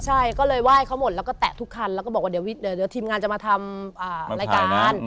ใช่ก็เลยไหว้เขาหมดแล้วก็แตะทุกคันแล้วก็บอกว่าเดี๋ยวทีมงานจะมาทำรายการ